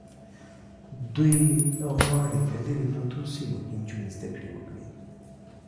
دوی غواړي په لرې پرتو سیمو کې نجونې زده کړې وکړي.